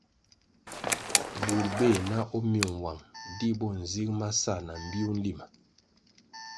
Bur beh na o myung nwang, di bo nzig ma sa na mbpiu nlima.